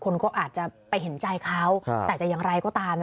คนก็อาจจะไปเห็นใจเขาแต่จะอย่างไรก็ตาม